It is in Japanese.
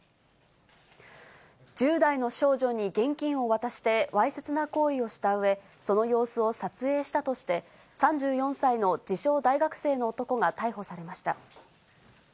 １０代の少女に現金を渡してわいせつな行為をしたうえ、その様子を撮影したとして、３４歳の自称、大学生の男が逮捕されました。